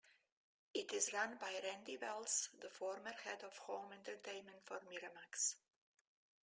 It is run by Randy Wells, the former head of home entertainment for Miramax.